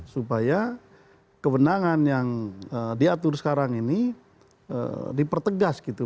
supaya kewenangan yang diatur sekarang ini dipertegas gitu